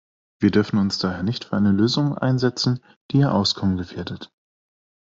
Wir dürfen uns daher nicht für eine Lösung einsetzen, die ihr Auskommen gefährdet.